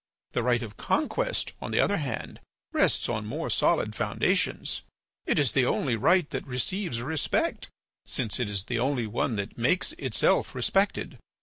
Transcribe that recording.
The right of conquest, on the other hand, rests on more solid foundations. It is the only right that receives respect since it is the only one that makes itself respected.